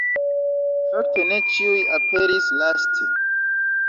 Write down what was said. Fakte ne ĉiuj aperis laste.